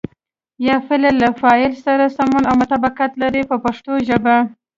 یا فعل له فاعل سره سمون او مطابقت لري په پښتو ژبه.